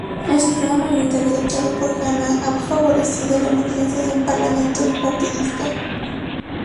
El sistema mayoritario adoptado por Ghana ha favorecido la emergencia de un parlamento bipartidista.